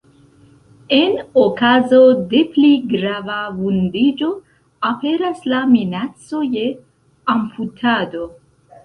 En okazo de pli grava vundiĝo aperas la minaco je amputado.